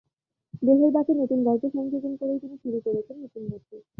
দেহের বাঁকে নতুন গল্প সংযোজন করেই তিনি শুরু করেছেন নতুন বছর।